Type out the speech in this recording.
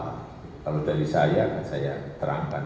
kalau dari saya kan saya terangkan